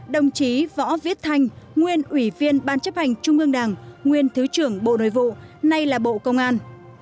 đồng chí võ viết thanh nguyên ủy viên ban chấp hành trung ương đảng nguyên thứ trưởng bộ nội vụ nay là bộ công an